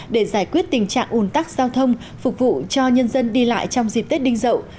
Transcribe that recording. để giải quyết tình trạng ủn tắc giao thông phục vụ cho nhân dân đi lại trong dịp tết đinh dậu